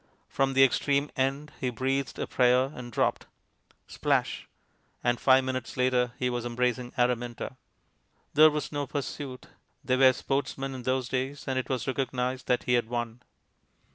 From the extreme end he breathed a prayer and dropped.... Splash! And five minutes later he was embracing Araminta. There was no pursuit; they were sportsmen in those days, and it was recognized that he had won.